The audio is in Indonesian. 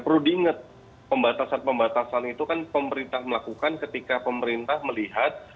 perlu diingat pembatasan pembatasan itu kan pemerintah melakukan ketika pemerintah melihat